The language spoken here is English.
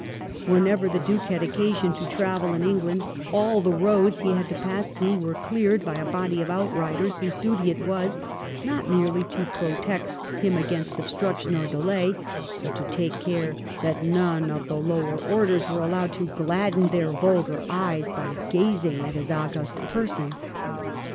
Whenever the Duke had occasion to travel in England all the roads he had to pass through were cleared by a body of outriders whose duty it was, not merely to protect him against obstruction or delay, but to take care that none of the lower orders were allowed to gladden their vulgar eyes by gazing at his august person.